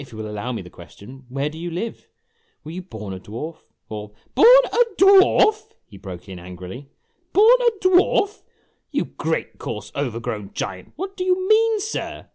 If you will allow me the question, where do you live ? Were you born a dwarf, or " "Born a dwarf!" he broke in angrily, "born a dwarf! You great, coarse, overgrown giant what do you mean, sir?'